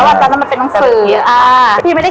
หรอเรา่ะ